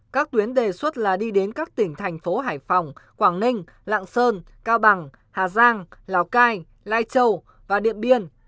các tuyến đề xuất là đi đến các tỉnh thành phố hải phòng quảng ninh lạng sơn cao bằng hà giang lào cai lai châu và điện biên